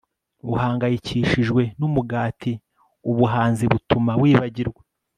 Uhangayikishijwe numugati ubuhanzi butuma wibagirwa